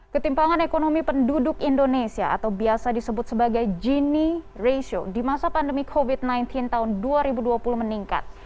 ketimpangan ekonomi penduduk indonesia atau biasa disebut sebagai gini ratio di masa pandemi covid sembilan belas tahun dua ribu dua puluh meningkat